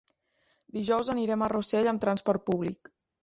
Dijous anirem a Rossell amb transport públic.